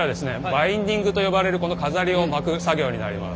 バインディングと呼ばれるこの飾りを巻く作業になります。